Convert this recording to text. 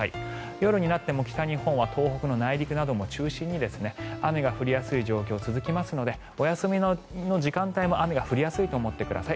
夜になっても北日本は東北の内陸などを中心に雨が降りやすい状況が続きますのでお休みの時間帯も雨が降りやすいと思ってください。